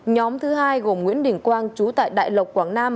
nhóm thứ hai gồm nguyễn đình quang chú tại đại lộc quảng nam